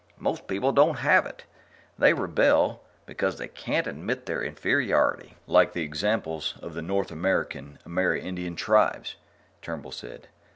Most people don't have it they rebel because they can't admit their inferiority." "Like the examples of the North American Amerindian tribes." Turnbull said.